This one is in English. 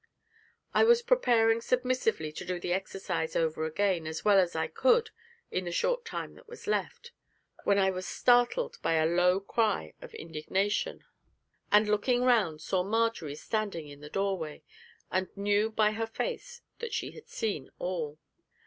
I was preparing submissively to do the exercise over again as well as I could in the short time that was left, when I was startled by a low cry of indignation, and, looking round, saw Marjory standing in the doorway, and knew by her face that she had seen all.